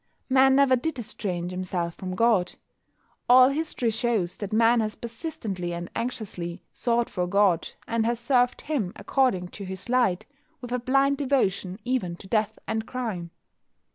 Man never did estrange himself from God. All history shows that Man has persistently and anxiously sought for God, and has served Him, according to his light, with a blind devotion even to death and crime.